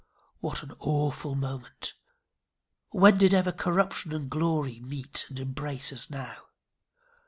What an awful moment! When did ever corruption and glory meet and embrace as now!